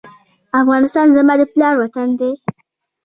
افغانستان زما د پلار وطن دی؟